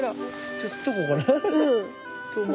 撮っとこうかな。